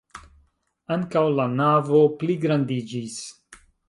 Ankaŭ la navo pligrandiĝis.